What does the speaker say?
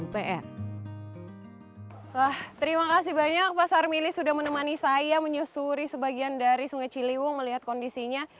terima kasih banyak pak sarmili sudah menemani saya menyusuri sebagian dari sungai ciliwung melihat kondisinya